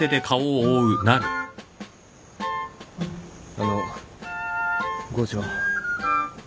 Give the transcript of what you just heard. あの郷長。